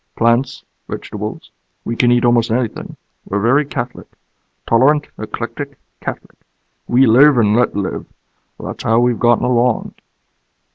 "Plants. Vegetables. We can eat almost anything. We're very catholic. Tolerant, eclectic, catholic. We live and let live. That's how we've gotten along."